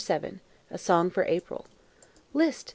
LANE A SONG FOR APRIL List!